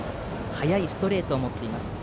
速いストレートを持っています。